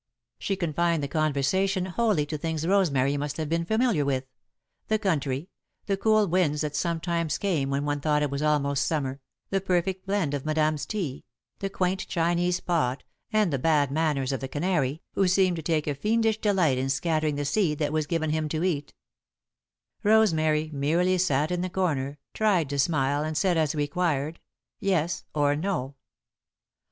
She confined the conversation wholly to things Rosemary must have been familiar with the country, the cool winds that sometimes came when one thought it was almost Summer, the perfect blend of Madame's tea, the quaint Chinese pot, and the bad manners of the canary, who seemed to take a fiendish delight in scattering the seed that was given him to eat. [Sidenote: Looking into the Crystal Ball] Rosemary merely sat in the corner, tried to smile, and said, as required, "Yes," or "No."